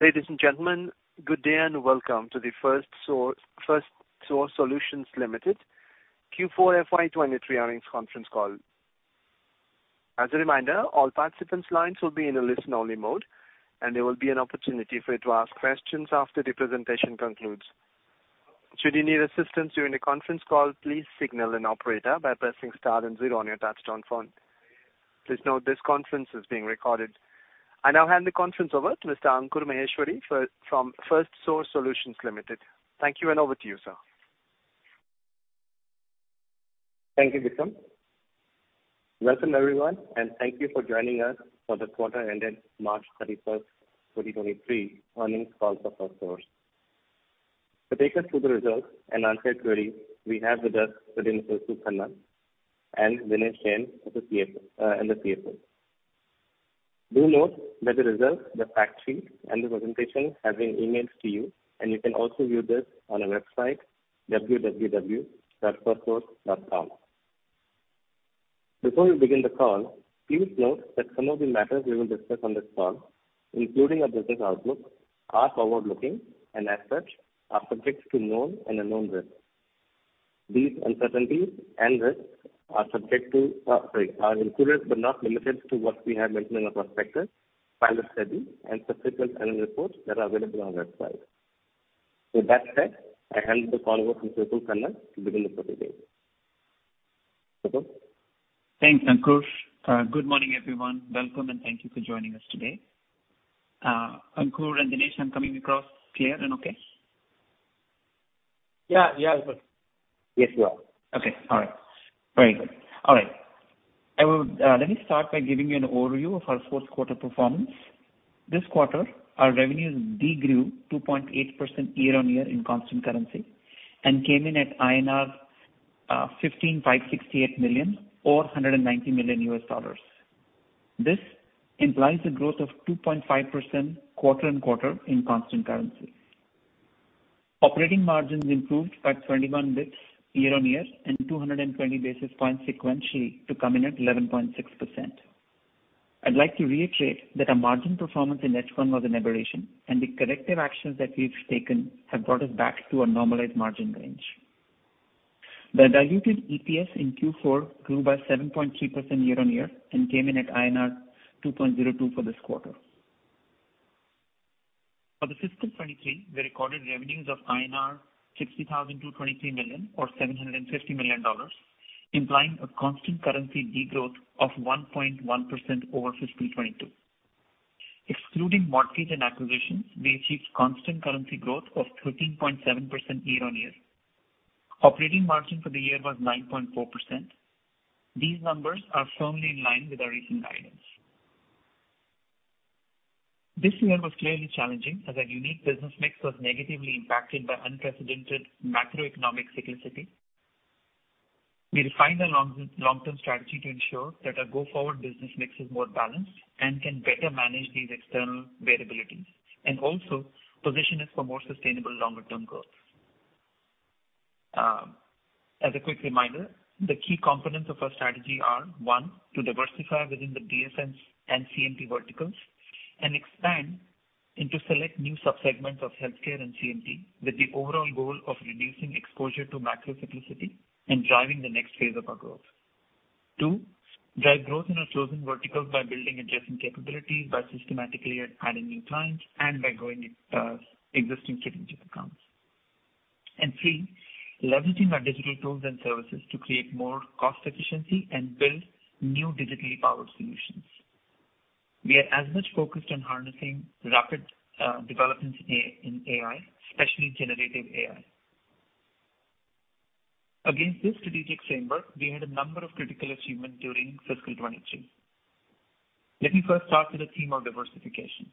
Ladies and gentlemen, good day and welcome to the Firstsource Solutions Limited Q4 FY 2023 earnings conference call. As a reminder, all participants' lines will be in a listen-only mode, and there will be an opportunity for you to ask questions after the presentation concludes. Should you need assistance during the conference call, please signal an operator by pressing star and zero on your touchtone phone. Please note this conference is being recorded. I now hand the conference over to Mr. Ankur Maheshwari from Firstsource Solutions Limited. Thank you, and over to you, sir. Thank you, Vikram. Welcome, everyone, and thank you for joining us for the quarter ending March 31st, 2023 earnings call for Firstsource. To take us through the results and answer queries, we have with us Mr. Vipul Khanna and Dinesh Jain as the CFO. Do note that the results, the fact sheet, and the presentation have been emailed to you, and you can also view this on our website www.firstsource.co. Before we begin the call, please note that some of the matters we will discuss on this call, including our business outlook, are forward-looking and as such are subject to known and unknown risks. These uncertainties and risks, sorry, are included but not limited to what we have mentioned in our prospectus, pilot study and subsequent annual reports that are available on our website. With that said, I hand the call over to Vipul Khanna to begin the presentation. Vipul? Thanks, Ankur. Good morning, everyone. Welcome, thank you for joining us today. Ankur and Dinesh, I'm coming across clear and okay? Yeah, yeah. Yes, we are. Okay. All right. Very good. All right. I will. Let me start by giving you an overview of our Q4 performance. This quarter, our revenues de-grew 2.8% year-on-year in constant currency and came in at INR 15,568 million or $190 million. This implies a growth of 2.5% quarter-on-quarter in constant currency. Operating margins improved by 21 basis points year-on-year and 220 basis points sequentially to come in at 11.6%. I'd like to reiterate that our margin performance in H1 was an aberration. The corrective actions that we've taken have brought us back to a normalized margin range. The diluted EPS in Q4 grew by 7.3% year-on-year and came in at INR 2.02 for this quarter. For the fiscal 2023, we recorded revenues of INR 60,223 million or $750 million, implying a constant currency degrowth of 1.1% over fiscal 2022. Excluding mortgage and acquisitions, we achieved constant currency growth of 13.7% year-on-year. Operating margin for the year was 9.4%. These numbers are firmly in line with our recent guidance. This year was clearly challenging as our unique business mix was negatively impacted by unprecedented macroeconomic cyclicity. We refined our long, long-term strategy to ensure that our go-forward business mix is more balanced and can better manage these external variabilities and also position us for more sustainable longer-term growth. As a quick reminder, the key components of our strategy are, one, to diversify within the BFS and CMT verticals and expand into select new sub-segments of healthcare and CMT with the overall goal of reducing exposure to macro cyclicity and driving the next phase of our growth. Two, drive growth in our chosen verticals by building adjacent capabilities, by systematically adding new clients and by growing existing strategic accounts. Three, leveraging our digital tools and services to create more cost efficiency and build new digitally powered solutions. We are as much focused on harnessing rapid developments in AI, especially generative AI. Against this strategic framework, we had a number of critical achievements during fiscal 22. Let me first start with the theme of diversification.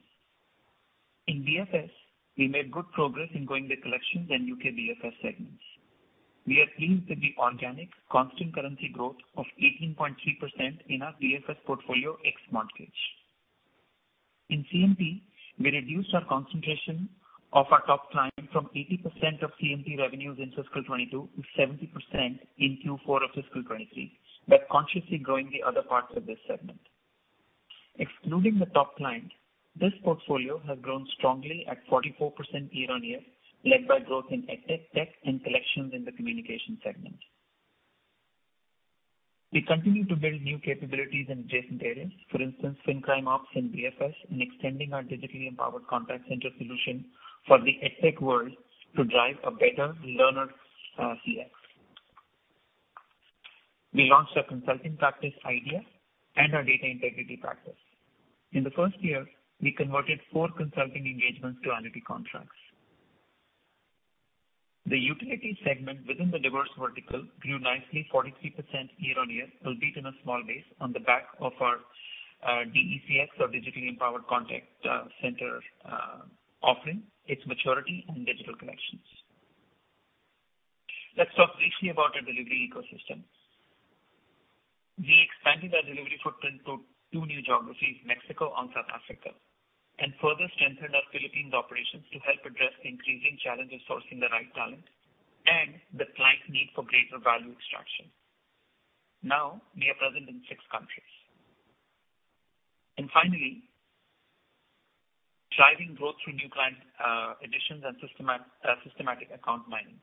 In BFS, we made good progress in growing the collections and U.K. BFS segments. We are pleased with the organic constant currency growth of 18.3% in our BFS portfolio ex-mortgage. In CMT, we reduced our concentration of our top client from 80% of CMT revenues in fiscal 2022 to 70% in Q4 of fiscal 2023 by consciously growing the other parts of this segment. Excluding the top client, this portfolio has grown strongly at 44% year-on-year, led by growth in EdTech and collections in the communication segment. We continue to build new capabilities in adjacent areas. For instance, FinCrime ops in BFS and extending our digitally empowered contact center solution for the EdTech world to drive a better learner, CX. We launched our consulting practice IDEA and our data integrity practice. In the first year, we converted four consulting engagements to annuity contracts. The utility segment within the diverse vertical grew nicely 43% year-on-year, albeit in a small base on the back of our DECC or digitally empowered contact center offering, its maturity and digital connections. Let's talk briefly about our delivery ecosystem. We expanded our delivery footprint to two new geographies, Mexico and South Africa, and further strengthened our Philippines operations to help address the increasing challenge of sourcing the right talent. Of value extraction. Now we are present in six countries. Finally, driving growth through new client additions and systematic account mining.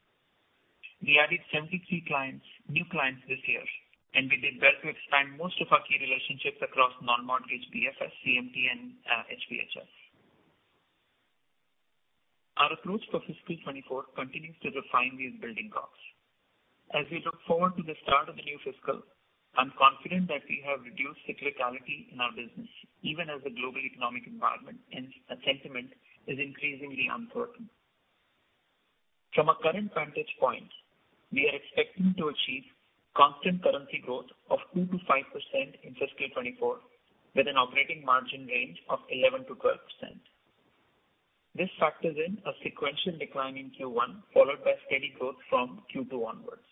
We added 73 clients, new clients this year, and we did well to expand most of our key relationships across non-mortgage BFS, CMT and HBHS. Our approach for fiscal 2024 continues to refine these building blocks. As we look forward to the start of the new fiscal, I'm confident that we have reduced cyclicality in our business, even as the global economic environment and sentiment is increasingly uncertain. From a current vantage point, we are expecting to achieve constant currency growth of 2%-5% in fiscal 2024 with an operating margin range of 11%-12%. This factors in a sequential decline in Q1, followed by steady growth from Q2 onwards.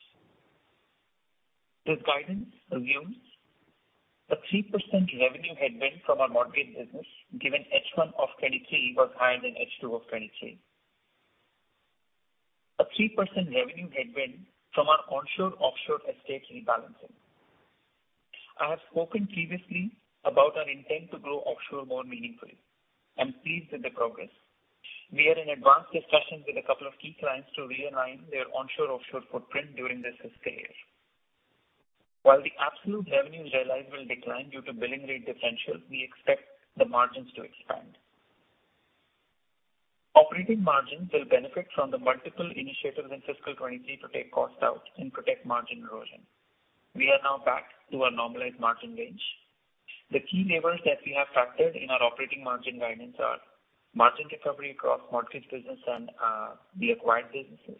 This guidance assumes a 3% revenue headwind from our mortgage business, given H1 of 2023 was higher than H2 of 2023. A 3% revenue headwind from our onshore offshore estate rebalancing. I have spoken previously about our intent to grow offshore more meaningfully. I'm pleased with the progress. We are in advanced discussions with a couple of key clients to realign their onshore offshore footprint during this fiscal year. While the absolute revenues realized will decline due to billing rate differential, we expect the margins to expand. Operating margins will benefit from the multiple initiatives in fiscal 23 to take costs out and protect margin erosion. We are now back to our normalized margin range. The key levers that we have factored in our operating margin guidance are margin recovery across mortgage business and the acquired businesses,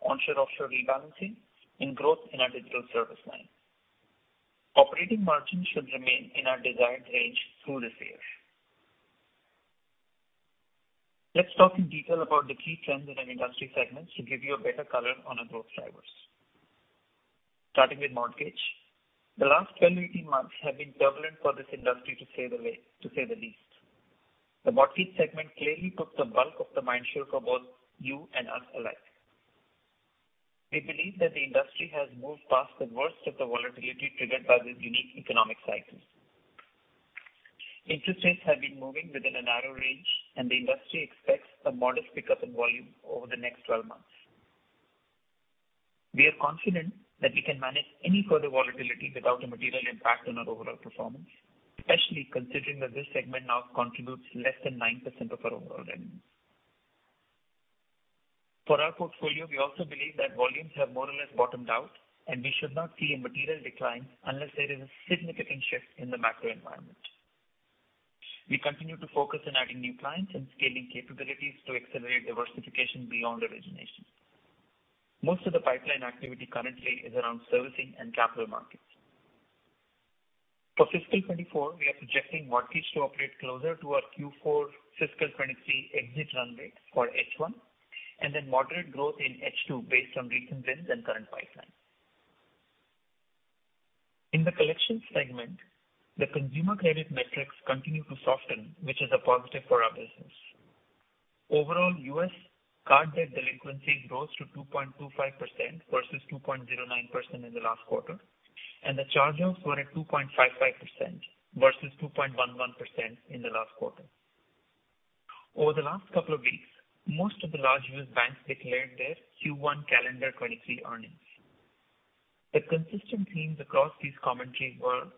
onshore offshore rebalancing and growth in our digital service line. Operating margin should remain in our desired range through this year. Let's talk in detail about the key trends in our industry segments to give you a better color on our growth drivers. Starting with mortgage. The last 12-18 months have been turbulent for this industry to say the least. The mortgage segment clearly took the bulk of the mind share for both you and us alike. We believe that the industry has moved past the worst of the volatility triggered by this unique economic cycle. Interest rates have been moving within a narrow range and the industry expects a modest pickup in volume over the next 12 months. We are confident that we can manage any further volatility without a material impact on our overall performance, especially considering that this segment now contributes less than 9% of our overall revenue. For our portfolio, we also believe that volumes have more or less bottomed out and we should not see a material decline unless there is a significant shift in the macro environment. We continue to focus on adding new clients and scaling capabilities to accelerate diversification beyond origination. Most of the pipeline activity currently is around servicing and capital markets. For fiscal 2024, we are projecting mortgage to operate closer to our Q4 fiscal 2023 exit run rate for H1, and then moderate growth in H2 based on recent wins and current pipeline. In the collections segment, the consumer credit metrics continue to soften, which is a positive for our business. Overall, U.S. card debt delinquencies rose to 2.25% versus 2.09% in the last quarter, and the charge-offs were at 2.55% versus 2.11% in the last quarter. Over the last couple of weeks, most of the large U.S. banks declared their Q1 calendar 2023 earnings. The consistent themes across these commentaries were,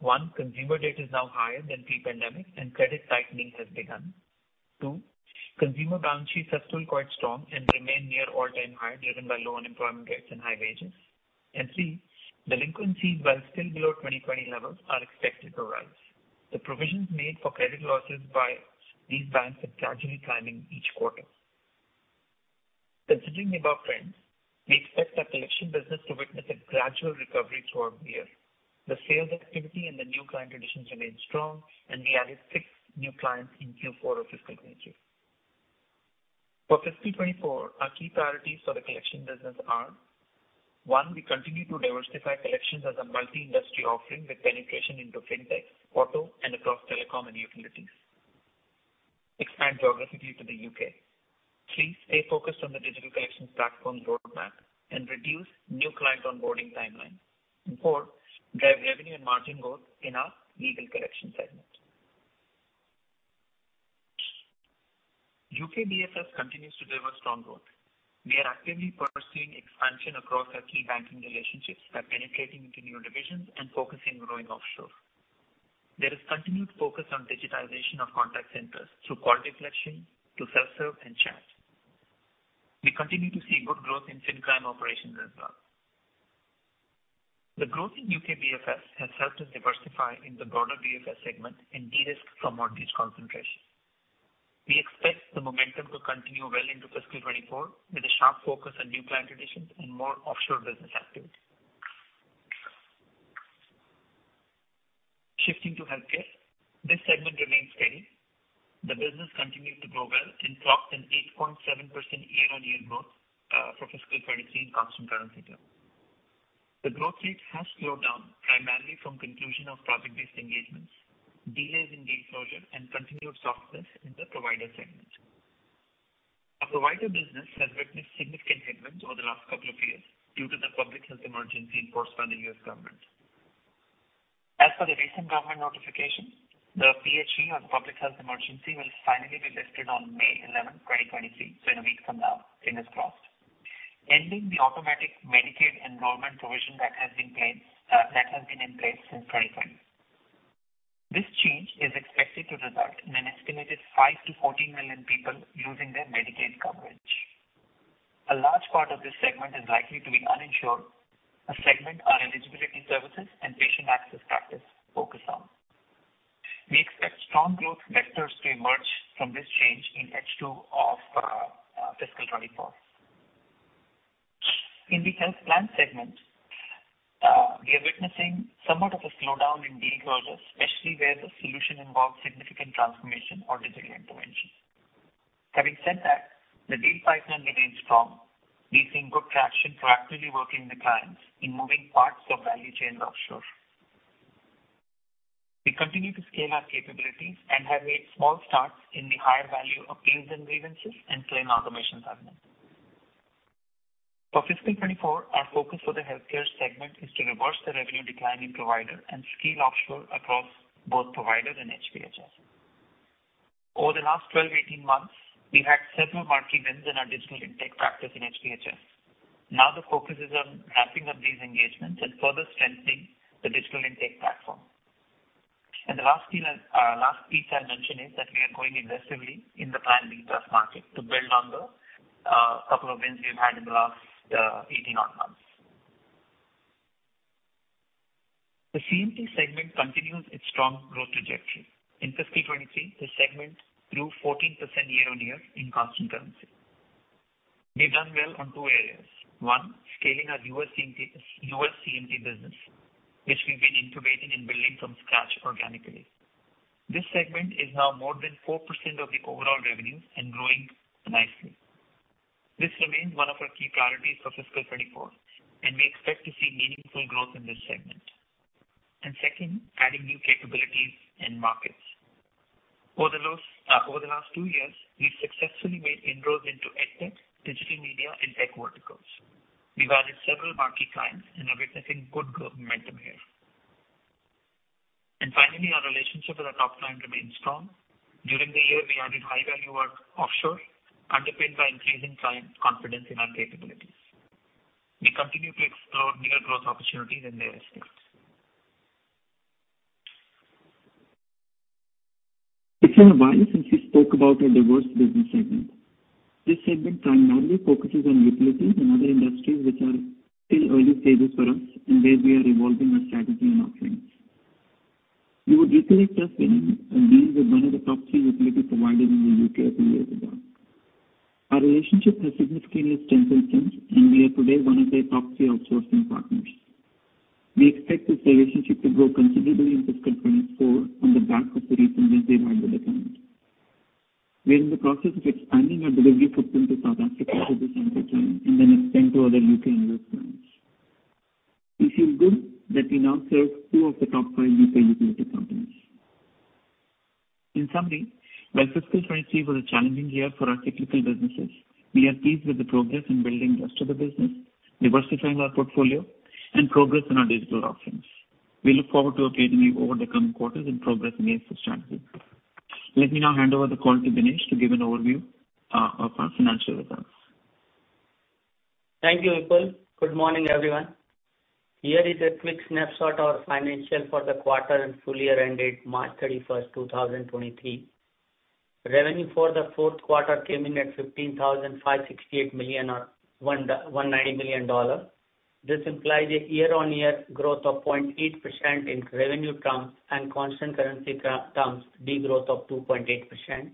one. consumer debt is now higher than pre-pandemic and credit tightening has begun. Two, consumer balance sheets are still quite strong and remain near all-time high, driven by low unemployment rates and high wages. Three, delinquencies, while still below 2020 levels, are expected to rise. The provisions made for credit losses by these banks are gradually climbing each quarter. Considering the above trends, we expect our collection business to witness a gradual recovery toward the year. The sales activity and the new client additions remain strong and we added six new clients in Q4 of fiscal 2023. For fiscal 2024, our key priorities for the collection business are, one, we continue to diversify collections as a multi-industry offering with penetration into Fintech, auto, and across telecom and utilities. Two, expand geographically to the U.K. Three, stay focused on the digital collections platform roadmap and reduce new client onboarding timelines. Four, drive revenue and margin growth in our legal collection segment. U.K. BFS continues to deliver strong growth. We are actively pursuing expansion across our key banking relationships by penetrating into new divisions and focusing on growing offshore. There is continued focus on digitization of contact centers through call deflection to self-serve and chat. We continue to see good growth in FinCrime operations as well. The growth in U.K. BFS has helped us diversify in the broader BFS segment and de-risk from mortgage concentration. We expect the momentum to continue well into fiscal 2024 with a sharp focus on new client additions and more offshore business activity. Shifting to healthcare. This segment remains steady. The business continued to grow well and clocked an 8.7% year-on-year growth for fiscal 2023 in constant currency terms. The growth rate has slowed down primarily from conclusion of project-based engagements, delays in deal closure, and continued softness in the provider segment. Our provider business has witnessed significant headwinds over the last couple of years due to the Public Health Emergency enforced by the U.S. government. As for the recent government notifications, the PHE or the Public Health Emergency will finally be lifted on May 11, 2023, so in a week from now, fingers crossed. Ending the automatic Medicaid enrollment provision that has been placed, that has been in place since 2020. This change is expected to result in an estimated five million-14 million people losing their Medicaid coverage. A large part of this segment is likely to be uninsured, a segment our eligibility services and patient access practice focus on. We expect strong growth vectors to emerge from this change in H2 of fiscal 2024. In the health plan segment, we are witnessing somewhat of a slowdown in deal closures, especially where the solution involves significant transformation or digital intervention. Having said that, the deal pipeline remains strong. We've seen good traction for actively working with the clients in moving parts of value chains offshore. We continue to scale our capabilities and have made small starts in the higher value appeals and grievances and claim automation segment. For fiscal 24, our focus for the healthcare segment is to reverse the revenue decline in provider and scale offshore across both provider and HPHS. Over the last 12, 18 months, we've had several marquee wins in our digital intake practice in HPHS. Now the focus is on wrapping up these engagements and further strengthening the digital intake platform. The last thing I, last piece I'll mention is that we are growing aggressively in the plan B plus market to build on the couple of wins we've had in the last 18 odd months. The CMT segment continues its strong growth trajectory. In fiscal 2023, the segment grew 14% year-on-year in constant currency. We've done well on two areas. One, scaling our U.S. CMT business, which we've been incubating and building from scratch organically. This segment is now more than 4% of the overall revenues and growing nicely. This remains one of our key priorities for fiscal 2024, and we expect to see meaningful growth in this segment. Second, adding new capabilities and markets. Over the last two years, we've successfully made inroads into EdTech, digital media, and tech verticals. We've added several marquee clients and are witnessing good growth momentum here. Finally, our relationship with our top client remains strong. During the year, we added high-value work offshore, underpinned by increasing client confidence in our capabilities. We continue to explore near-growth opportunities in their estate. It's been a while since we spoke about our diverse business segment. This segment primarily focuses on utilities and other industries which are still early stages for us and where we are evolving our strategy and offerings. We were recently successful in dealing with one of the top three utility providers in the U.K. a few years ago. Our relationship has significantly strengthened since, and we are today one of their top three outsourcing partners. We expect this relationship to grow considerably in fiscal 2024 on the back of the recent wins we have with the client. We are in the process of expanding our delivery footprint to South Africa through this important and then extend to other U.K.-U.S. clients. It feels good that we now serve two of the top five U.K. utility companies. In summary, while fiscal 23 was a challenging year for our technical businesses, we are pleased with the progress in building the rest of the business, diversifying our portfolio, and progress in our digital offerings. We look forward to updating you over the coming quarters and progress against this strategy. Let me now hand over the call to Dinesh to give an overview of our financial results. Thank you, Vipul. Good morning, everyone. Here is a quick snapshot of our financials for the quarter and full year ended March 31st, 2023. Revenue for the Q4 came in at 15,568 million or $190 million. This implies a year-on-year growth of 0.8% in revenue terms and constant currency terms, degrowth of 2.8%.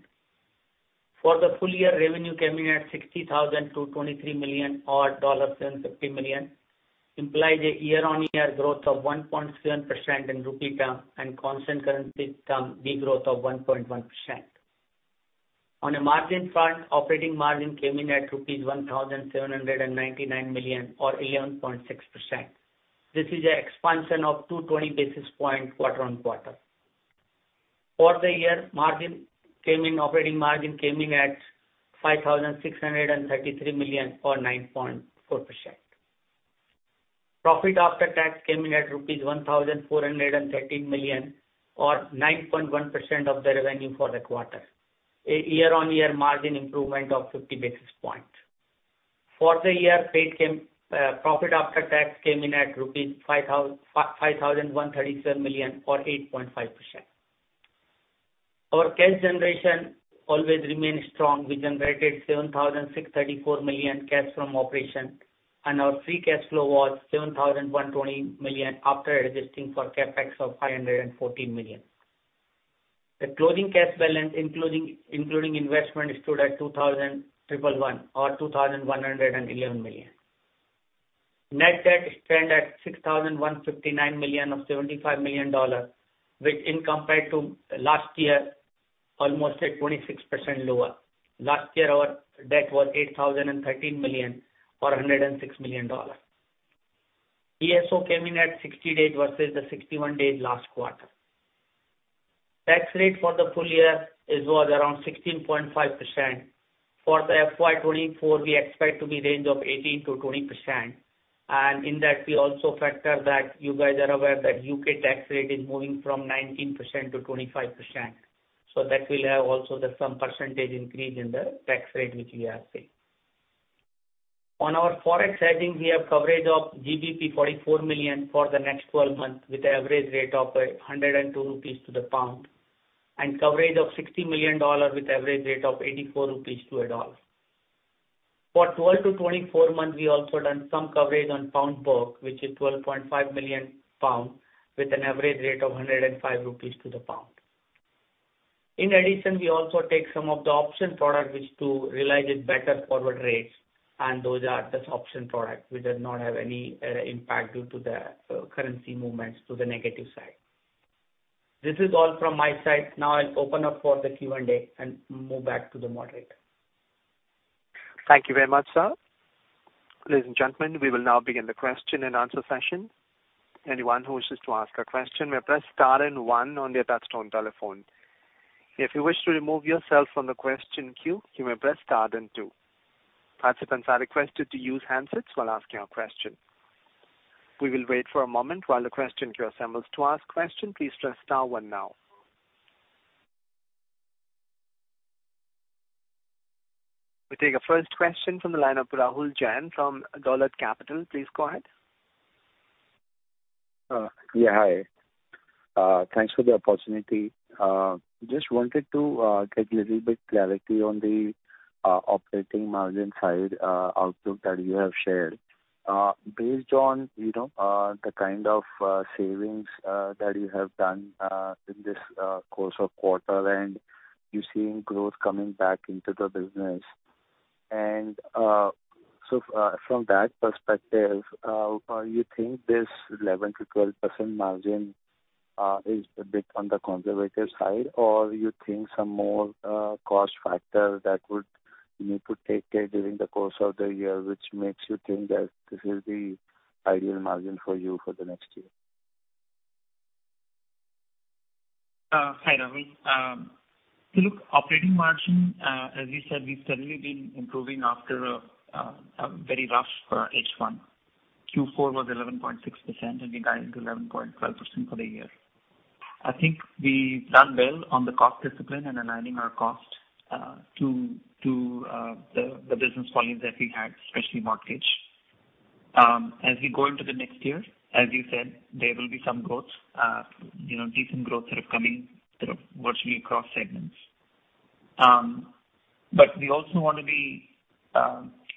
For the full year, revenue came in at INR 60,223 million or $750 million, implies a year-on-year growth of 1.7% in rupee terms and constant currency terms, degrowth of 1.1%. On a margin front, operating margin came in at rupees 1,799 million or 11.6%. This is an expansion of 220 basis points quarter-on-quarter. For the year, operating margin came in at 5,633 million or 9.4%. Profit after tax came in at rupees 1,413 million or 9.1% of the revenue for the quarter, a year-on-year margin improvement of 50 basis points. For the year, profit after tax came in at rupees 5,137 million or 8.5%. Our cash generation always remains strong. We generated 7,634 million cash from operation, and our free cash flow was 7,120 million after adjusting for CapEx of 514 million. The closing cash balance including investment stood at 2,111 million. Net debt stand at 6,159 million or $75 million, which in compared to last year. Almost at 26% lower. Last year, our debt was 8,013 million or $106 million. DSO came in at 60 days versus the 61 days last quarter. Tax rate for the full year was around 16.5%. For the FY 2024, we expect to be range of 18%-20%. In that, we also factor that you guys are aware that U.K. tax rate is moving from 19% to 25%. That will have also the some percentage increase in the tax rate which we have paid. On our ForEx hedging, we have coverage of GBP 44 million for the next 12 months with the average rate of 102 rupees to the pound, and coverage of $60 million with average rate of 84 rupees to a dollar. For 12-24 months, we also done some coverage on pound book, which is 12.5 million pounds with an average rate of 105 rupees to the GBP. We also take some of the option product which to realize it better forward rates. Those are just option product. We did not have any impact due to the currency movements to the negative side. This is all from my side. I'll open up for the Q&A and move back to the moderator. Thank you very much, sir. Ladies and gentlemen, we will now begin the question and answer session. Anyone who wishes to ask a question may press star and one on their touch-tone telephone. If you wish to remove yourself from the question queue, you may press star then two. Participants are requested to use handsets while asking a question. We will wait for a moment while the question queue assembles to ask question. Please press star one now. We take our first question from the line of Rahul Jain from Dolat Capital. Please go ahead. Yeah, hi. Thanks for the opportunity. Just wanted to get little bit clarity on the operating margin side, outlook that you have shared. Based on, you know, the kind of savings that you have done in this course of quarter, and you're seeing growth coming back into the business. From that perspective, you think this 11%-12% margin is a bit on the conservative side? You think some more cost factor that would need to take care during the course of the year, which makes you think that this is the ideal margin for you for the next year? Hi, Rahul. Look, operating margin, as we said, we've certainly been improving after a very rough H1. Q4 was 11.6%, and we guided to 11.12% for the year. I think we've done well on the cost discipline and aligning our cost to the business volumes that we had, especially mortgage. As we go into the next year, as you said, there will be some growth, you know, decent growth sort of coming sort of virtually across segments. We also want to be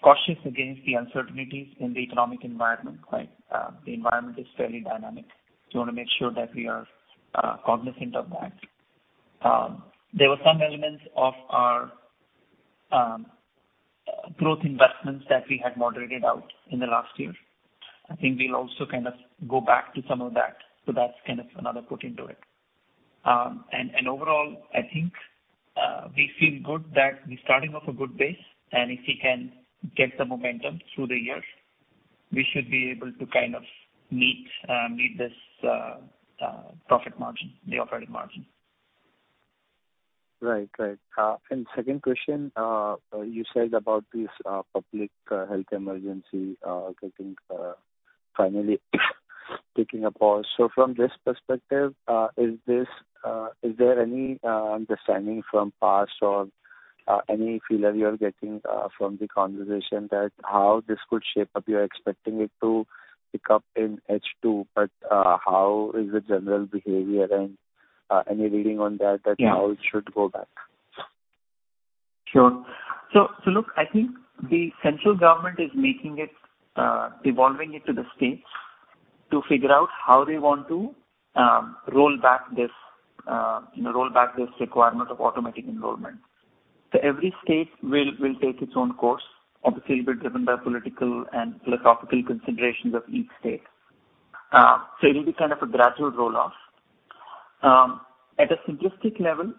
cautious against the uncertainties in the economic environment, right? The environment is fairly dynamic. We want to make sure that we are cognizant of that. There were some elements of our growth investments that we had moderated out in the last year. I think we'll also kind of go back to some of that, so that's kind of another put into it. Overall I think we feel good that we're starting off a good base, and if we can get the momentum through the year, we should be able to kind of meet this profit margin, the operating margin. Right. Right. second question. You said about this Public Health Emergency getting finally taking a pause. From this perspective, is there any understanding from past or any feeling you are getting from the conversation that how this could shape up? You're expecting it to pick up in H2, how is the general behavior and any reading on that? Yeah. That how it should go back? Sure. Look, I think the central government is making it, evolving it to the states to figure out how they want to, roll back this, you know, roll back this requirement of automatic enrollment. Every state will take its own course, obviously a bit driven by political and philosophical considerations of each state. It'll be kind of a gradual roll-off. At a simplistic level,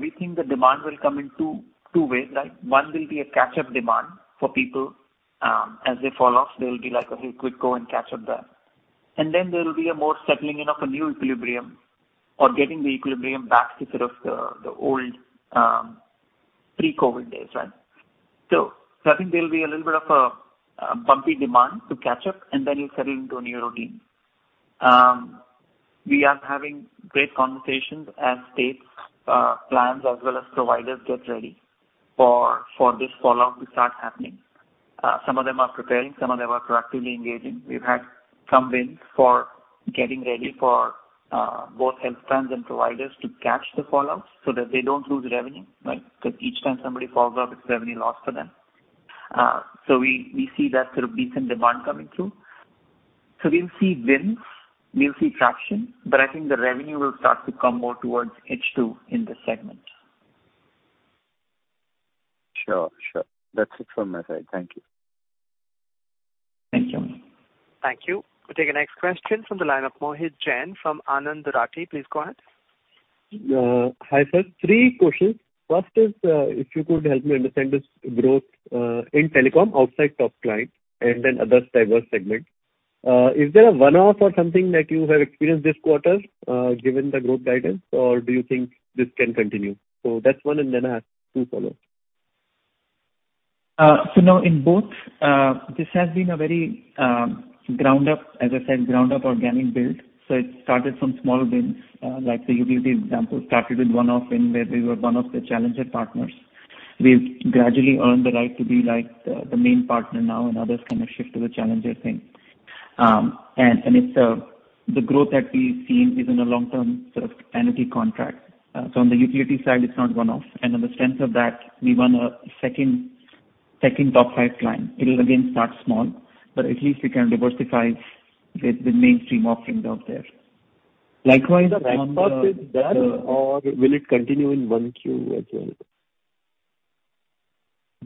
we think the demand will come in two ways, right? One will be a catch-up demand for people, as they fall off. They'll be like, "Oh, hey, quick, go and catch up there." Then there will be a more settling in of a new equilibrium or getting the equilibrium back to sort of the old, pre-COVID days, right? I think there'll be a little bit of a bumpy demand to catch up, and then you'll settle into a new routine. We are having great conversations as states, plans as well as providers get ready for this falloff to start happening. Some of them are preparing, some of them are proactively engaging. We've had some wins for getting ready for both health plans and providers to catch the falloffs so that they don't lose revenue, right? 'Cause each time somebody falls off, it's a revenue loss for them. We see that sort of decent demand coming through. We'll see wins, we'll see traction, but I think the revenue will start to come more towards H2 in this segment. Sure, sure. That's it from my side. Thank you. Thank you. Thank you. We'll take the next question from the line of Mohit Jain from Anand Rathi. Please go ahead. Hi, sir. three questions. First is, if you could help me understand this growth in telecom outside top clients and then other diverse segments. Is there a one-off or something that you have experienced this quarter, given the growth guidance, or do you think this can continue? That's one, and then I have two follow. Now in both, this has been a very ground up, as I said, ground up organic build. It started from small wins. Like the utility example started with one-off and where we were one of the challenger partners. We've gradually earned the right to be like the main partner now, and others kind of shift to the challenger thing. It's the growth that we've seen is in a long-term sort of energy contract. On the utility side, it's not one-off. On the strength of that, we won a second top five client. It'll again start small, but at least we can diversify with the mainstream offerings out there. Likewise, on the. The ramp-up is done or will it continue in 1 Q as well?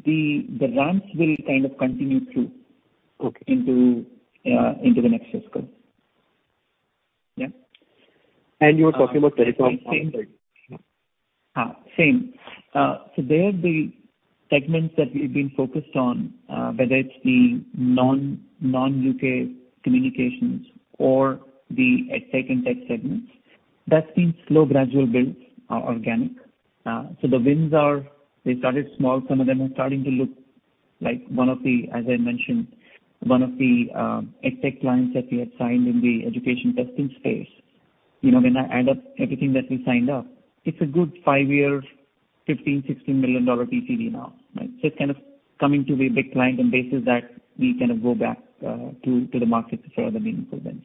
The ramps will kind of continue through-. Okay. Into the next fiscal. Yeah. You were talking about telecom side. Same. There the segments that we've been focused on, whether it's the non-U.K. communications or the EdTech and Tech segments, that's been slow gradual builds, organic. The wins are, they started small. Some of them are starting to look like one of the, as I mentioned, one of the EdTech clients that we had signed in the education testing space. You know, when I add up everything that we signed up, it's a good 5-year, $15 million-$16 million TCV now, right? It's kind of coming to a big client, and basis that we kind of go back to the market for other meaningful wins.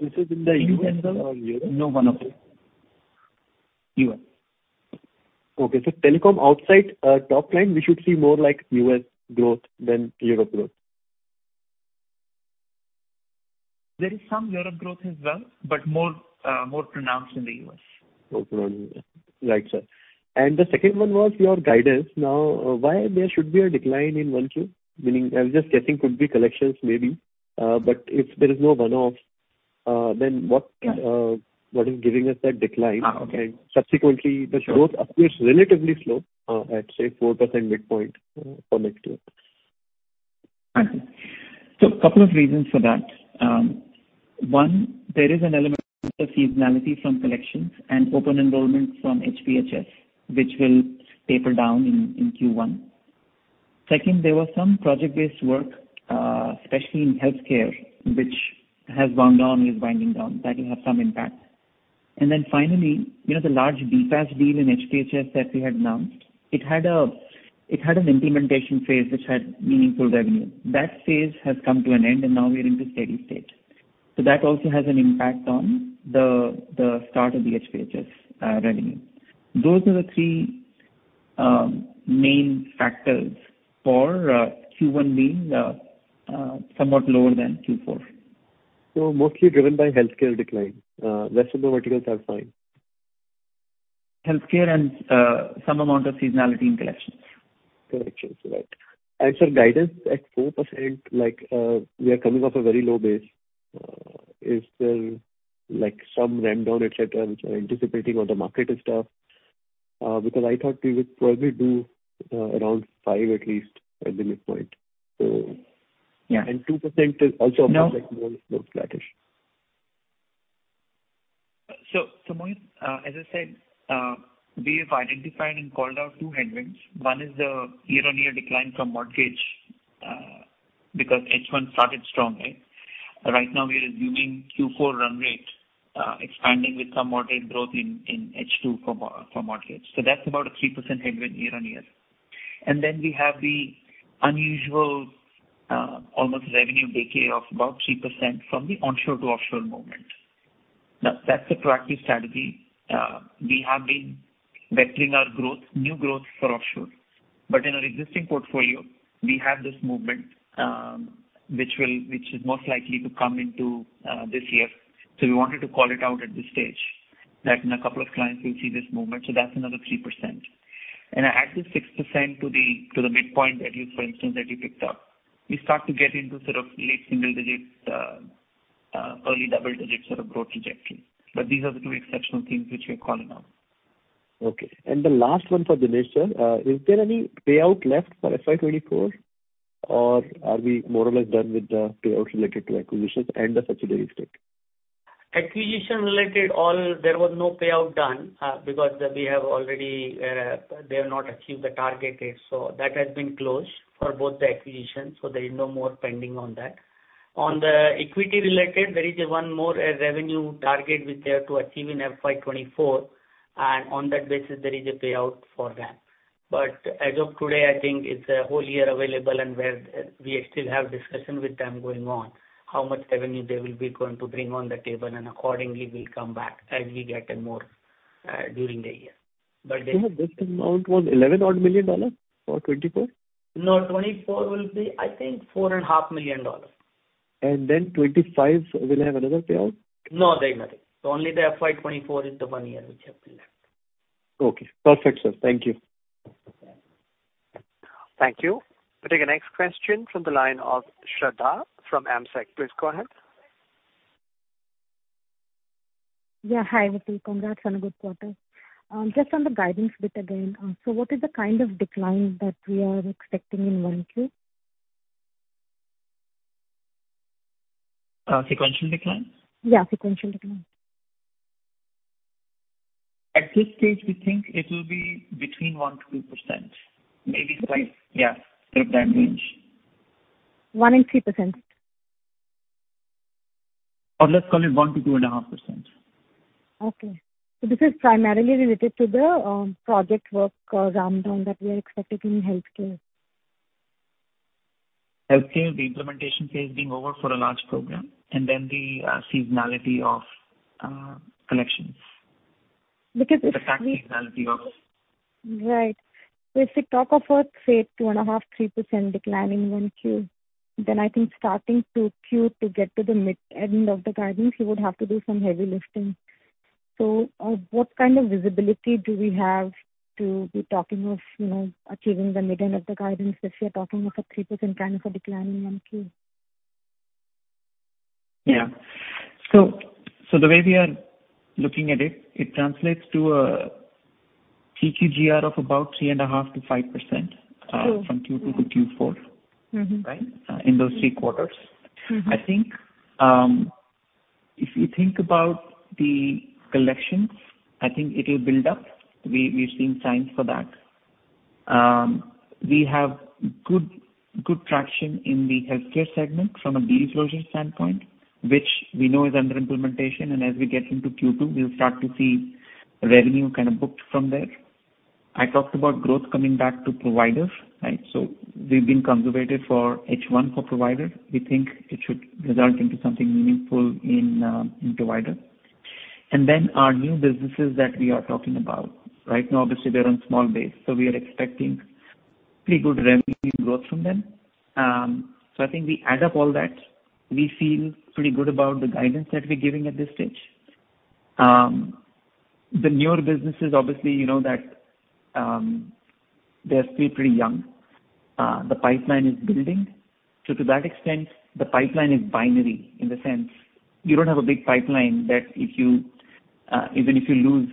This is in the U.S. or Europe? No one of them. U.S. Okay. telecom outside, top line, we should see more like U.S. growth than Europe growth. There is some Europe growth as well, but more, more pronounced in the U.S. More pronounced in the. Right, sir. The second one was your guidance. Now, why there should be a decline in 1Q? Meaning, I was just guessing could be collections maybe. If there is no one-offs, then what. Yeah. What is giving us that decline? Okay. Subsequently the growth appears relatively slow, at, say, 4% midpoint, for next year. I see. Couple of reasons for that. one, there is an element of seasonality from collections and open enrollment from HPHS, which will taper down in Q1. Second, there was some project-based work, especially in healthcare, which has wound down, is winding down. That will have some impact. Finally, you know, the large BPaaS deal in HPHS that we had announced, it had an implementation phase which had meaningful revenue. That phase has come to an end, and now we're into steady state. That also has an impact on the start of the HPHS revenue. Those are the three main factors for Q1 being somewhat lower than Q4. Mostly driven by healthcare decline. Rest of the verticals are fine. Healthcare and some amount of seasonality in collections. Collections, right. Guidance at 4%, like, we are coming off a very low base. Is there like some ramp down, et cetera, which we're anticipating on the market and stuff? Because I thought we would probably do around five at least as the midpoint. Yeah. 2% is also more flattish. Mohit, as I said, we have identified and called out two headwinds. One is the year-on-year decline from mortgage because H1 started strongly. Right now we are resuming Q4 run rate, expanding with some mortgage growth in H2 from mortgage. That's about a 3% headwind year-on-year. We have the unusual, almost revenue decay of about 3% from the onshore to offshore movement. That's a proactive strategy. We have been vectoring our growth, new growth for offshore. In our existing portfolio, we have this movement, which is most likely to come into this year. We wanted to call it out at this stage, that in a couple of clients we'll see this movement. That's another 3%. Add the 6% to the midpoint that you, for instance, that you picked up. We start to get into sort of late single digits, early double digits sort of growth trajectory. These are the two exceptional things which we're calling out. Okay. The last one for Dinesh, Sir. Is there any payout left for FY 2024 or are we more or less done with the payouts related to acquisitions and the subsidiary stake? Acquisition related all, there was no payout done, because we have already, they have not achieved the target yet. That has been closed for both the acquisitions, so there is no more pending on that. On the equity related, there is one more revenue target which they have to achieve in FY 2024, and on that basis there is a payout for that. As of today, I think it's a whole year available and we're, we still have discussion with them going on, how much revenue they will be going to bring on the table, and accordingly we'll come back as we get a more during the year. Dinesh, this amount was $11 odd million for 2024? No, 2024 will be, I think, four and a half million dollars. 2025, we'll have another payout? No, they. Only the FY 2024 is the one year which have been left. Okay. Perfect, sir. Thank you. Thank you. We'll take the next question from the line of Shradha from AMSEC. Please go ahead. Yeah. Hi. Congrats on a good quarter. Just on the guidance bit again, what is the kind of decline that we are expecting in 1Q? Sequential decline? Yeah, sequential decline. At this stage, we think it will be between 1% to 2%. Maybe 5%. Okay. Yeah. Sort of that range. 1% and 3%. Let's call it 1%-2.5%. Okay. This is primarily related to the project work rundown that we are expecting in healthcare. Healthcare, the implementation phase being over for a large program, then the seasonality of collections. If we-. The fact seasonality. Right. If we talk of a, say, 2.5%-3% decline in Q1, I think starting Q2 to get to the mid end of the guidance, you would have to do some heavy lifting. What kind of visibility do we have to be talking of, you know, achieving the mid end of the guidance if we are talking of a 3% kind of a decline in Q1? Yeah. The way we are looking at it translates to a CAGR of about 3.5%-5%. Sure. From Q2 to Q4. Mm-hmm. Right? in those three quarters. Mm-hmm. I think, if you think about the collections, I think it'll build up. We've seen signs for that. We have good traction in the healthcare segment from a B solution standpoint, which we know is under implementation. As we get into Q2, we'll start to see revenue kind of booked from there. I talked about growth coming back to providers, right? We've been conservated for H1 for provider. We think it should result into something meaningful in provider. Our new businesses that we are talking about. Right now, obviously, they're on small base. We are expecting pretty good revenue growth from them. I think we add up all that. We feel pretty good about the guidance that we're giving at this stage. The newer businesses, obviously, you know that, they're still pretty young. The pipeline is building. To that extent, the pipeline is binary, in the sense you don't have a big pipeline that if you even if you lose,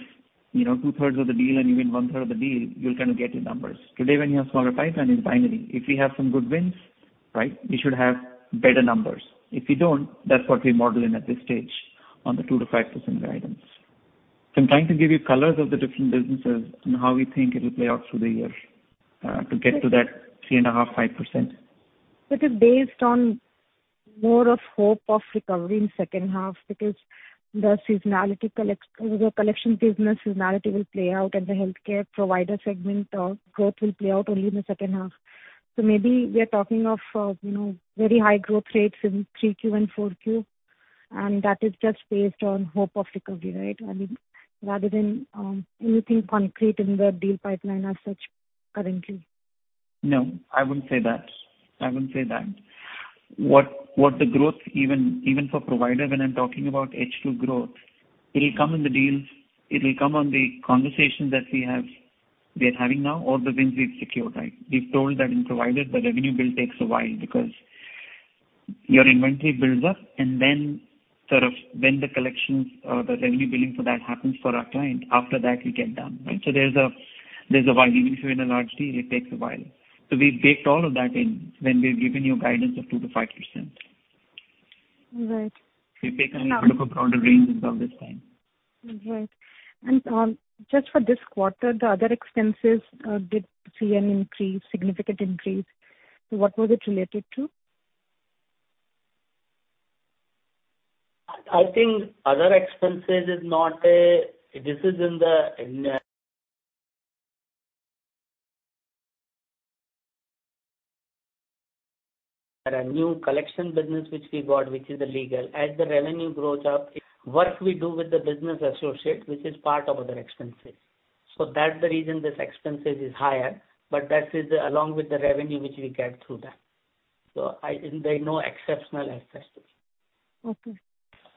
you know, two-thirds of the deal and you win one-third of the deal, you'll kind of get your numbers. Today, when you have smaller pipeline, it's binary. If we have some good wins, right, we should have better numbers. If we don't, that's what we're modeling at this stage on the 2%-5% guidance. I'm trying to give you colors of the different businesses and how we think it'll play out through the year to get to that 3.5%-5%. It is based on more of hope of recovery in H2 because the seasonality the collection business seasonality will play out and the healthcare provider segment growth will play out only in the H2. Maybe we are talking of, you know, very high growth rates in three Q and four Q, and that is just based on hope of recovery, right? I mean, rather than anything concrete in the deal pipeline as such currently. No, I wouldn't say that. I wouldn't say that. What the growth even for provider, when I'm talking about H2 growth, it'll come in the deals, it'll come on the conversations that we are having now or the wins we've secured, right? We've told that in provider, the revenue build takes a while because your inventory builds up and then sort of when the collections or the revenue billing for that happens for our client, after that we get done, right? So there's a while. Even if you win a large deal, it takes a while. So we've baked all of that in when we've given you guidance of 2%-5%. Right. We've taken a bit of a broader range this time. Right. Just for this quarter, the other expenses, did see an increase, significant increase. What was it related to? I think other expenses is not. This is in the Our new collection business which we got, which is the legal. As the revenue grows up, work we do with the business associate, which is part of other expenses. That's the reason this expenses is higher. That is along with the revenue which we get through that. There's no exceptional expenses. Okay.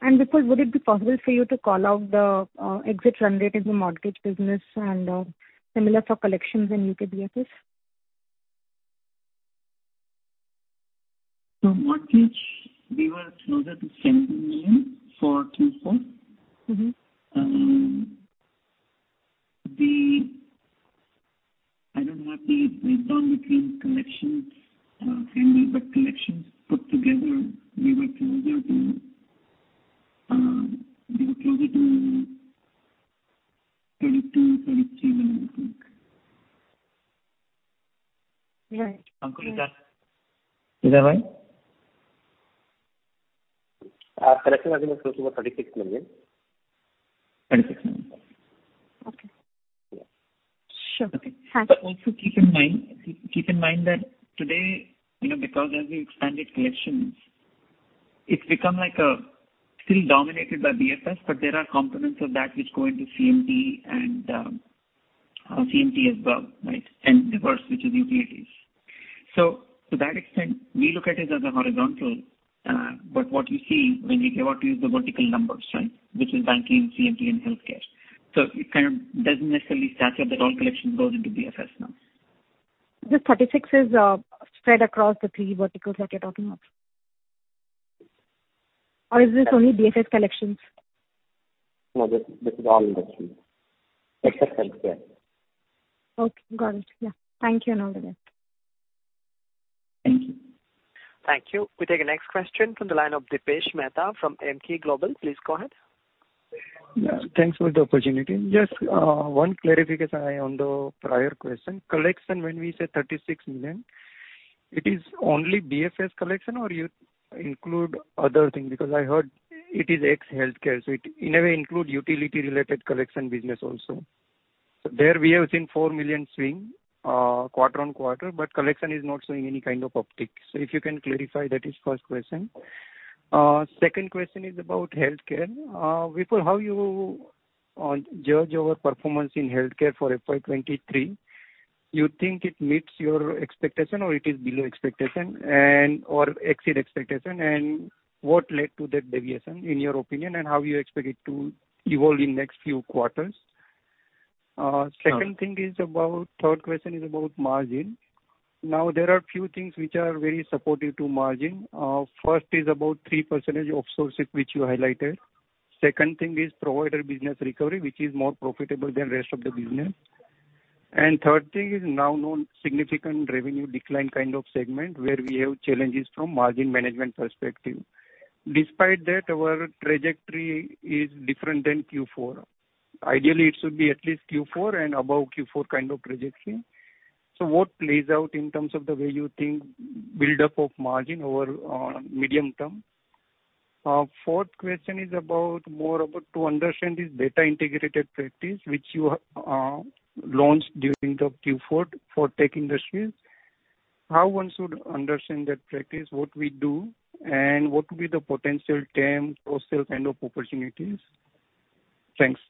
Vipul, would it be possible for you to call out the exit run rate in the mortgage business and similar for collections in UK BFS? Mortgage, we were closer to INR 70 million for Q4. Mm-hmm. I don't have the breakdown between collections, handle, but collections put together, we were closer to $32 million-$33 million, I think. Right. Uncle Vijay. Vijay bhai. correction, I think it was closer to 36 million. 36 million. Okay. Yeah. Sure. Okay. Thanks. Also keep in mind that today, you know, because as we expanded collections, it's become like, still dominated by BFS, but there are components of that which go into CMT Or CMT as well, right? Diverse, which is utilities. To that extent, we look at it as a horizontal, but what you see when we give out to you is the vertical numbers, right? Which is banking, CMT, and healthcare. It kind of doesn't necessarily stature that all collection goes into BFS now. This 36 is spread across the three verticals that you're talking about? Or is this only BFS collections? No, this is all collections, except healthcare. Okay. Got it. Yeah. Thank you, and all the best. Thank you. Thank you. We take the next question from the line of Dipesh Mehta from Emkay Global. Please go ahead. Yeah, thanks for the opportunity. Just one clarification I have on the prior question. Collection, when we say $36 million, it is only BFS collection or you include other things? Because I heard it is ex healthcare, so it in a way include utility-related collection business also. There we have seen $4 million swing quarter-on-quarter, but collection is not showing any kind of uptick. If you can clarify, that is first question. Second question is about healthcare. Vipul, how you judge our performance in healthcare for FY 2023, you think it meets your expectation or it is below expectation and/or exceed expectation, and what led to that deviation, in your opinion, and how you expect it to evolve in next few quarters? Sure. Second thing is about. Third question is about margin. Now, there are few things which are very supportive to margin. First is about 3% of sources which you highlighted. Second thing is provider business recovery, which is more profitable than rest of the business. Third thing is now known significant revenue decline kind of segment where we have challenges from margin management perspective. Despite that, our trajectory is different than Q4. Ideally, it should be at least Q4 and above Q4 kind of trajectory. What plays out in terms of the way you think buildup of margin over medium term? Fourth question is about more about to understand this data integrated practice which you launched during the Q4 for tech industries. How one should understand that practice, what we do, and what will be the potential term or sale kind of opportunities? Thanks.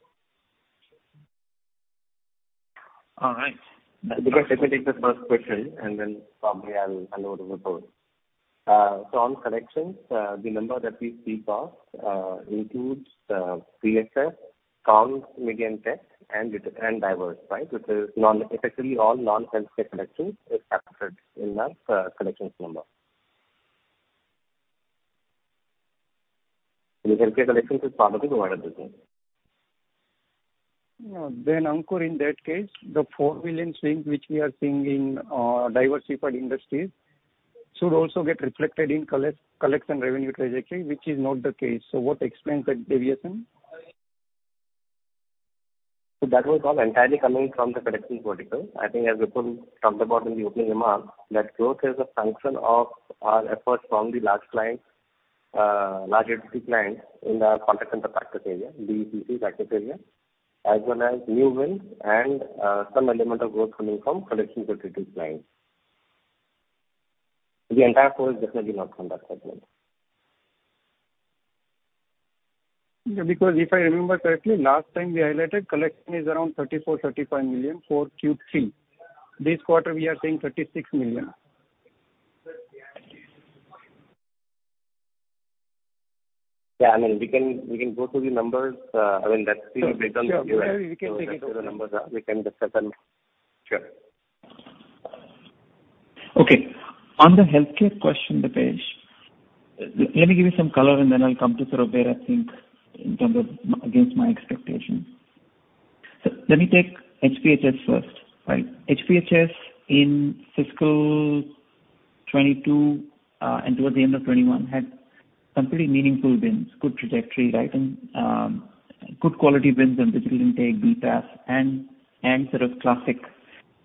All right. Dipesh, let me take the first question, and then, probably, I'll hand over to Vipul. On collections, the number that we speak of includes BFS, Comms, Media, and Tech, and data and diverse, right? Effectively all non-healthcare collections is captured in that collections number. The healthcare collections is part of the overall business. Ankur, in that case, the four million swing which we are seeing in diversified industries should also get reflected in collection revenue trajectory, which is not the case. What explains that deviation? That was all entirely coming from the collection vertical. I think as Vipul talked about in the opening remarks, that growth is a function of our efforts from the large clients, large entity clients in the contact center practice area, BPaaS practice area, as well as new wins and, some element of growth coming from collection vertical clients. The entire four is definitely not from that segment. Yeah. If I remember correctly, last time we highlighted collection is around 34 million-35 million for Q3. This quarter we are seeing 36 million. Yeah. I mean, we can go through the numbers. I mean, that's still based on Q1. Sure. Yeah. We can take it through. Let's see what the numbers are. We can discuss them. Sure. Okay. On the healthcare question, Dipesh, let me give you some color and then I'll come to sort of where I think in terms of against my expectations. Let me take HPHS first, right? HPHS in fiscal 2022, and towards the end of 2021 had some pretty meaningful wins, good trajectory, right, and good quality wins on digital intake, BTaaS and sort of classic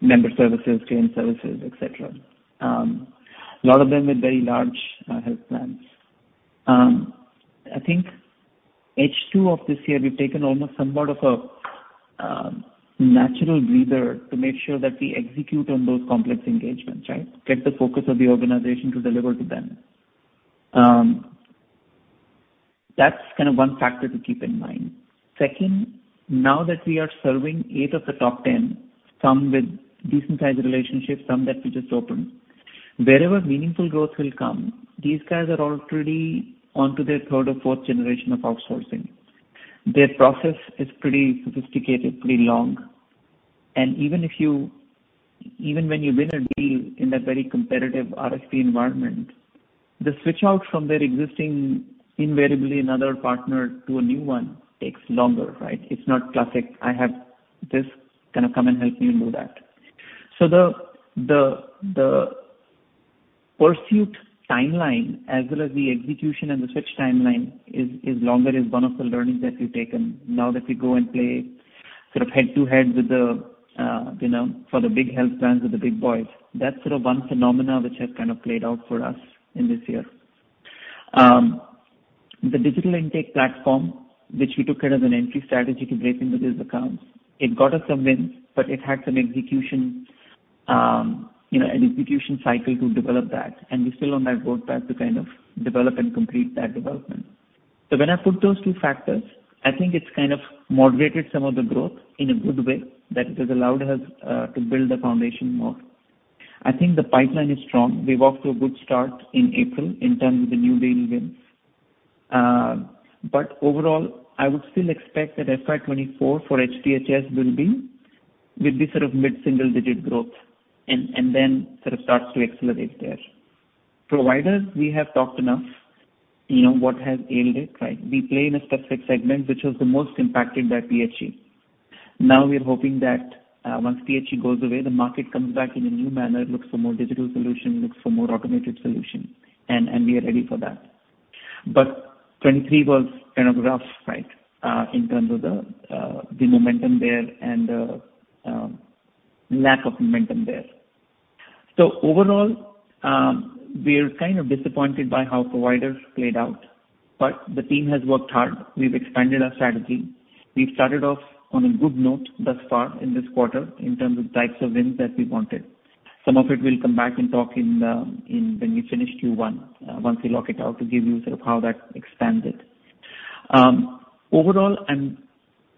member services, claim services, et cetera. A lot of them with very large health plans. I think H2 of this year we've taken almost somewhat of a natural breather to make sure that we execute on those complex engagements, right? Get the focus of the organization to deliver to them. That's kind of one factor to keep in mind. Second, now that we are serving eight of the top 10, some with decent size relationships, some that we just opened, wherever meaningful growth will come, these guys are already onto their third or fourth generation of outsourcing. Their process is pretty sophisticated, pretty long. Even when you win a deal in that very competitive RFP environment, the switch out from their existing, invariably another partner to a new one takes longer, right? It's not classic, "I have this, kind of come and help me do that." The pursuit timeline as well as the execution and the switch timeline is longer is one of the learnings that we've taken now that we go and play sort of head-to-head with, you know, for the big health plans with the big boys. That's sort of one phenomena which has kind of played out for us in this year. The digital intake platform, which we took it as an entry strategy to break into these accounts, it got us some wins, but it had some execution, you know, an execution cycle to develop that, and we're still on that road path to kind of develop and complete that development. When I put those two factors, I think it's kind of moderated some of the growth in a good way that it has allowed us to build the foundation more. I think the pipeline is strong. We're off to a good start in April in terms of the new daily wins. Overall, I would still expect that FY 2024 for HPHS will be sort of mid-single digit growth and then sort of starts to accelerate there. Providers, we have talked enough, you know, what has ailed it, right? We play in a specific segment which was the most impacted by PHE. We are hoping that once PHE goes away, the market comes back in a new manner. It looks for more digital solution, looks for more automated solution, and we are ready for that. 23 was kind of rough, right, in terms of the momentum there and the lack of momentum there. Overall, we are kind of disappointed by how providers played out, but the team has worked hard. We've expanded our strategy. We've started off on a good note thus far in this quarter in terms of types of wins that we wanted. Some of it we'll come back and talk in when we finish Q1 once we lock it out, to give you sort of how that expanded. Overall, I'm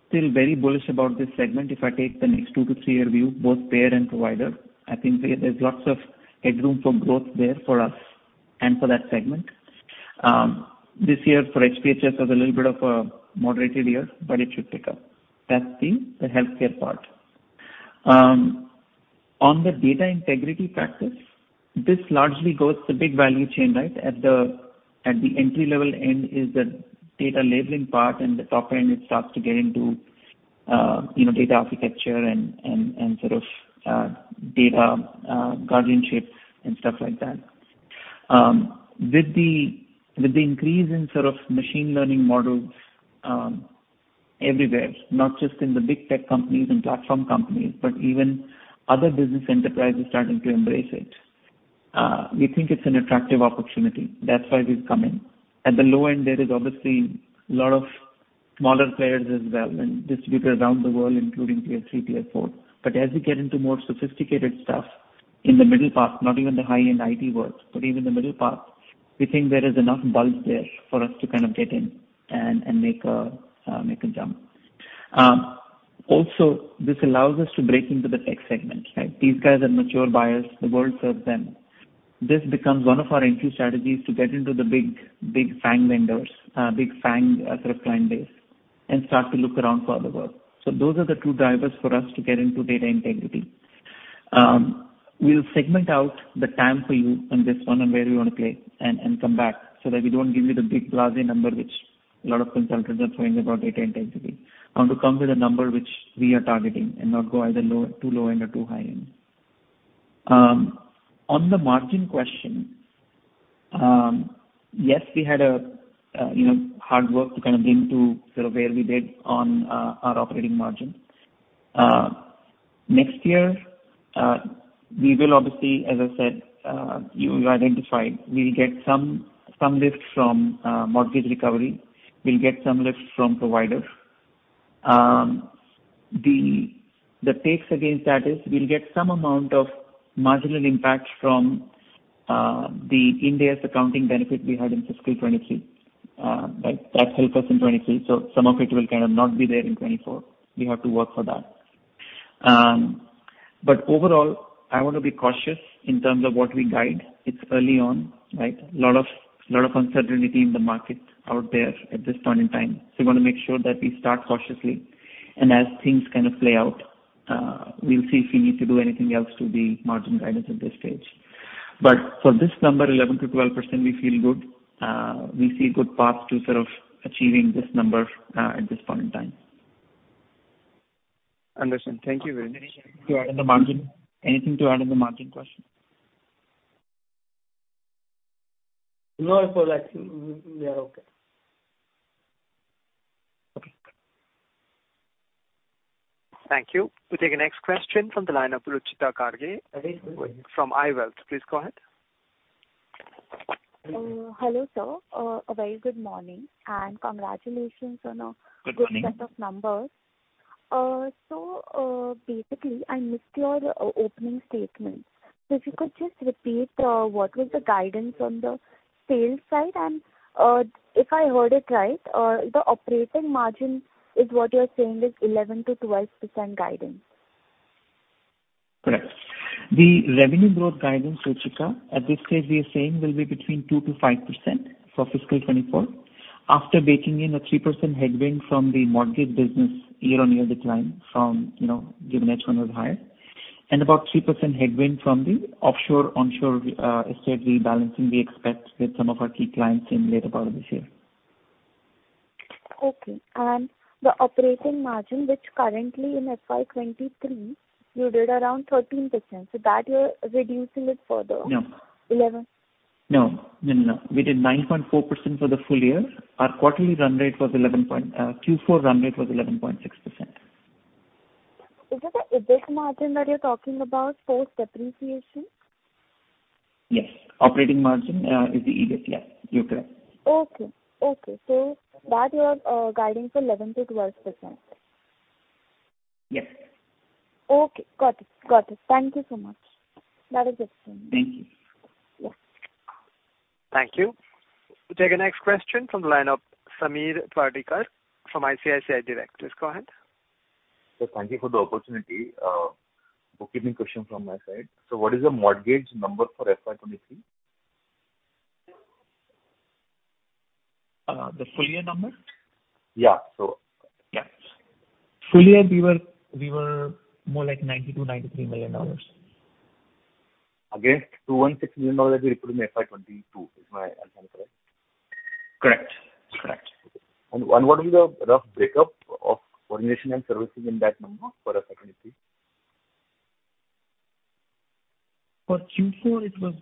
still very bullish about this segment. If I take the next two to three-year view, both payer and provider, I think there's lots of headroom for growth there for us and for that segment. This year for HPHS was a little bit of a moderated year, but it should pick up. That's the healthcare part. On the data integrity practice, this largely goes to big value chain, right? At the entry-level end is the data labeling part, and the top end it starts to get into, you know, data architecture and sort of data guardianship and stuff like that. With the, with the increase in sort of machine learning models, everywhere, not just in the big tech companies and platform companies, but even other business enterprises starting to embrace it, we think it's an attractive opportunity. That's why we've come in. At the low end there is obviously a lot of smaller players as well and distributors around the world, including tier three, tier four. As we get into more sophisticated stuff in the middle part, not even the high-end IT world, but even the middle part, we think there is enough bulge there for us to kind of get in and make a, make a jump. This allows us to break into the tech segment, right? These guys are mature buyers. The world serves them. This becomes one of our entry strategies to get into the big, big FAANG vendors, sort of client base and start to look around for other work. Those are the two drivers for us to get into data integrity. We'll segment out the TAM for you on this one and where we wanna play and come back so that we don't give you the big blase number, which a lot of consultants are throwing about data integrity. I want to come with a number which we are targeting and not go either low, too low end or too high end. On the margin question, yes, we had a, you know, hard work to kind of get into sort of where we did on our operating margin. Next year, we will obviously, as I said, you identified, we'll get some lift from mortgage recovery. We'll get some lift from providers. The takes against that is we'll get some amount of marginal impact from the India's accounting benefit we had in fiscal 2023. That helped us in 23, so some of it will kind of not be there in 24. We have to work for that. Overall, I want to be cautious in terms of what we guide. It's early on, right? Lot of uncertainty in the market out there at this point in time. We wanna make sure that we start cautiously, and as things kind of play out, we'll see if we need to do anything else to the margin guidance at this stage. For this number, 11%-12%, we feel good. We see a good path to sort of achieving this number at this point in time. Understood. Thank you very much. Anything to add on the margin? Anything to add on the margin question? No. For that, we are okay. Okay. Thank you. We'll take the next question from the line of Ruchit Kanga. I think we're good. From IWealth. Please go ahead. Hello. Hello sir. A very good morning and congratulations on Good morning. Good set of numbers. Basically, I missed your opening statement, if you could just repeat, what was the guidance on the sales side? If I heard it right, the operating margin is what you're saying is 11%-12% guidance. Correct. The revenue growth guidance, Ruchita, at this stage we are saying will be between 2%-5% for fiscal 2024, after baking in a 3% headwind from the mortgage business year-on-year decline from, you know, given H1 was higher, and about 3% headwind from the offshore/onshore estate rebalancing we expect with some of our key clients in later part of this year. Okay. The operating margin, which currently in FY23 you did around 13%, that you're reducing it further- No. 11? No. No, no. We did 9.4% for the full year. Q4 run rate was 11.6%. Is it the EBIT margin that you're talking about post depreciation? Yes. Operating margin, is the EBIT. Yeah, you're correct. Okay. Okay. That you are guiding for 11%-12%. Yes. Okay. Got it. Got it. Thank you so much. That is it from me. Thank you. Yeah. Thank you. We'll take the next question from the line of Sameer Pardikar from ICICI Direct. Please go ahead. Sir, thank you for the opportunity. bookkeeping question from my side. What is the mortgage number for FY 23? The full year number? Yeah. Yeah. Full year we were more like $92 million-$93 million. Against $216 million that you reported in FY 2022. Is my understanding correct? Correct. Correct. What is the rough breakup of origination and servicing in that number for FY 23? For Q4 it was,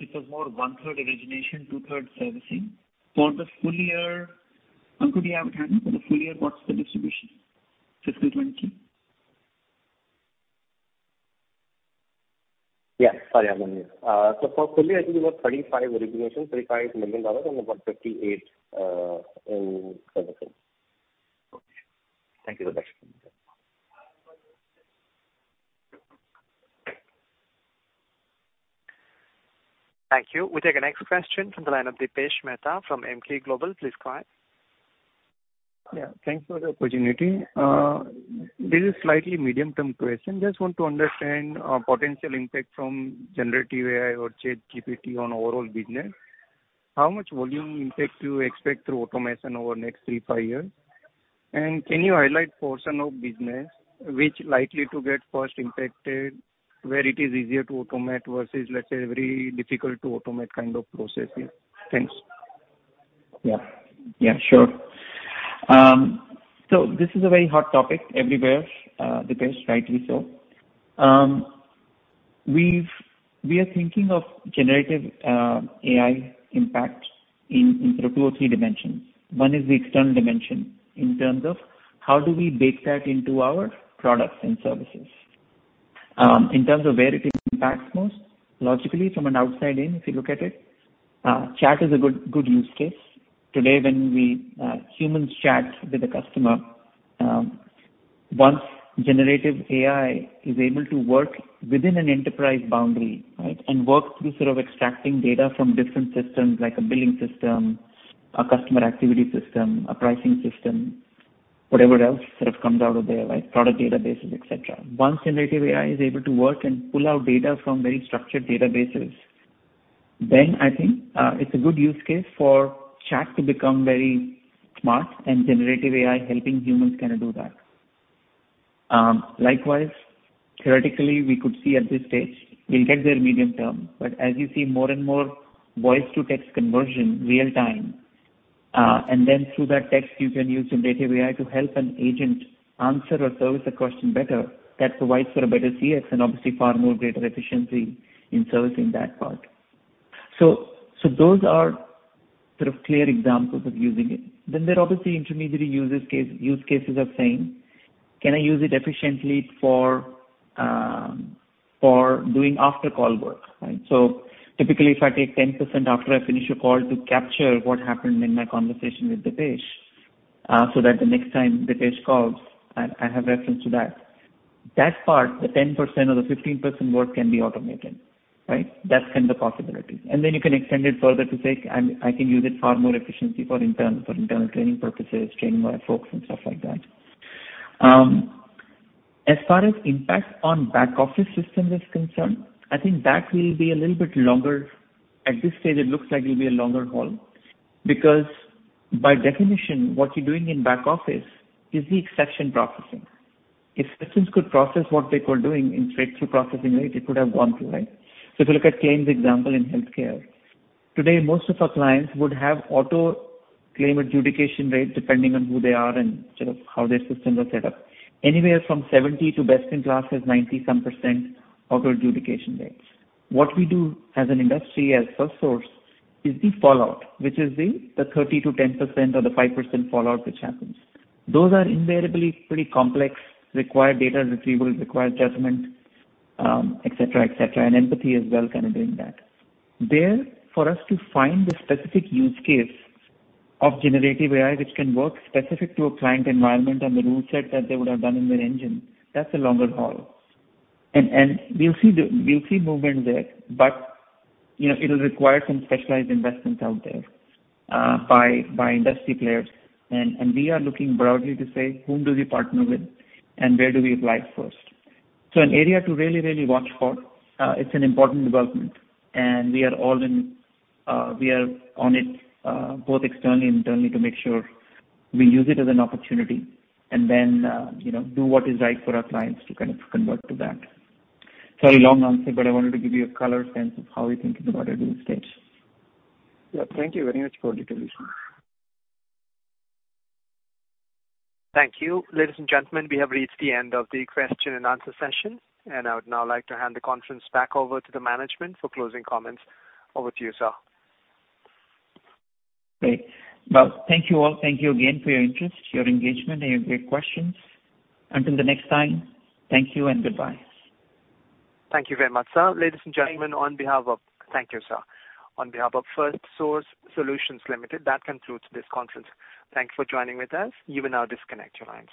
it was more one third origination, two third servicing. For the full year. Ankur, do you have it handy? For the full year, what's the distribution, fiscal twenty? Yeah. Sorry, I don't have it. For full year I think it was 35 origination, $35 million and about $58 million in servicing. Okay. Thank you so much. Thank you. We take the next question from the line of Dipesh Mehta from Emkay Global. Please go ahead. Yeah. Thanks for the opportunity. This is slightly medium-term question. Just want to understand potential impact from generative AI or ChatGPT on overall business. How much volume impact do you expect through automation over the next three, five years? Can you highlight portion of business which likely to get first impacted where it is easier to automate versus, let's say, very difficult to automate kind of processes? Thanks. Yeah. Yeah, sure. This is a very hot topic everywhere, Dipesh, rightly so. We are thinking of generative AI impact in sort of two or three dimensions. One is the external dimension in terms of how do we bake that into our products and services. In terms of where it impacts most, logically from an outside in, if you look at it, chat is a good use case. Today when we humans chat with a customer, once generative AI is able to work within an enterprise boundary, right, and work through sort of extracting data from different systems like a billing system, a customer activity system, a pricing system, whatever else sort of comes out of there, like product databases, et cetera. Once generative AI is able to work and pull out data from very structured databases, then I think, it's a good use case for chat to become very smart and generative AI helping humans kinda do that. Likewise, theoretically, we could see at this stage, we'll get there medium term, but as you see more and more voice to text conversion real time, and then through that text you can use generative AI to help an agent answer or service a question better, that provides for a better CX and obviously far more greater efficiency in servicing that part. Those are sort of clear examples of using it. There are obviously intermediary users case, use cases of saying, "Can I use it efficiently for doing after call work?" Right? Typically if I take 10% after I finish a call to capture what happened in my conversation with Dipesh, so that the next time Dipesh calls I have reference to that. That part, the 10% or the 15% work can be automated, right? That's kind of possibility. Then you can extend it further to say I can use it far more efficiently for internal, for internal training purposes, training my folks and stuff like that. As far as impact on back office system is concerned, I think that will be a little bit longer. At this stage it looks like it'll be a longer haul because by definition what you're doing in back office is the exception processing. If systems could process what people are doing in straight through processing rate, it would have gone through, right? If you look at claims example in healthcare. Today most of our clients would have auto claim adjudication rates depending on who they are and sort of how their systems are set up. Anywhere from 70 to best in class is 90 some percent auto adjudication rates. What we do as an industry, as Firstsource, is the fallout, which is the 30% to 10% or the 5% fallout which happens. Those are invariably pretty complex, require data retrieval, require judgment, et cetera, et cetera, and empathy as well kind of in that. There, for us to find the specific use case of generative AI which can work specific to a client environment and the rule set that they would have done in their engine, that's a longer haul. We'll see the movement there, but, you know, it'll require some specialized investments out there, by industry players. We are looking broadly to say whom do we partner with and where do we apply it first. An area to really, really watch for. It's an important development and we are all in... we are on it, both externally and internally to make sure we use it as an opportunity and then, you know, do what is right for our clients to kind of convert to that. Sorry, long answer, but I wanted to give you a color sense of how we're thinking about it in this stage. Yeah. Thank you very much for the details. Thank you. Ladies and gentlemen, we have reached the end of the question and answer session. I would now like to hand the conference back over to the management for closing comments. Over to you, sir. Great. Well, thank you all. Thank you again for your interest, your engagement, and your great questions. Until the next time, thank you and goodbye. Thank you very much, sir. Ladies and gentlemen, Thank you, sir. On behalf of Firstsource Solutions Limited, that concludes this conference. Thank you for joining with us. You may now disconnect your lines.